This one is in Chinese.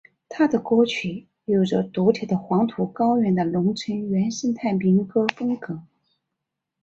他的歌曲有着独特的黄土高原的农村原生态民歌风格。